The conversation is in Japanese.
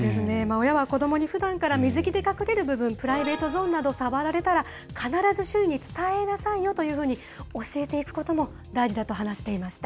親は子どもにふだんから、水着で隠れる分、プライベートゾーンをもし知らない人に触られたら、必ず周囲に伝えなさいよというふうに教えていくことも大事だと話していました。